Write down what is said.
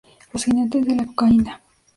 Los Jinetes de la Cocaína.